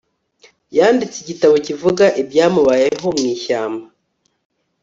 yanditse igitabo kivuga ibyamubayeho mwishyamba